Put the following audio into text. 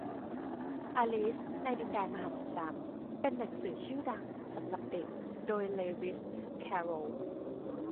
อลิซในดินแดนมหัศจรรย์เป็นหนังสือชื่อดังสำหรับเด็ก โดยเลวิส แคโรล